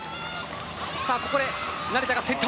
さあ、ここで成田が先頭。